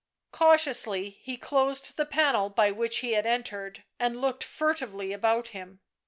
Cautiously he closed the panel by which he had entered, and looked furtively about him.